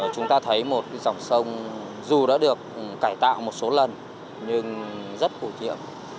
chúng ta thấy một cái dòng sông dù đã được cải tạo một số lần nhưng rất phổ triệu